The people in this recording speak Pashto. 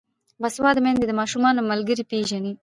باسواده میندې د ماشومانو ملګري پیژني.